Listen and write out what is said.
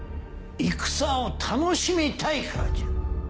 戦を楽しみたいからじゃ。